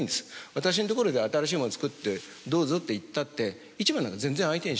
私のところで新しいもの作ってどうぞって言ったって市場なんか全然相手にしません。